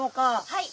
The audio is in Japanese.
はい！